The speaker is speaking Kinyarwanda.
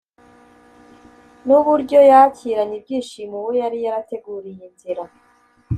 n’uburyo yakiranye ibyishimo Uwo yari yarateguriye inzira